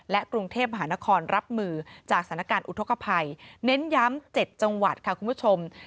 กรุงเทพมหานครรับมือจากสถานการณ์อุทธกภัยเน้นย้ำ๗จังหวัดค่ะคุณผู้ชม